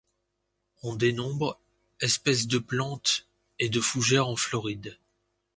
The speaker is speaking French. On dénombre espèces de plantes et de fougères en Floride.